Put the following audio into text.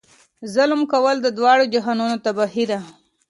ظلم کول د دواړو جهانونو تباهي ده.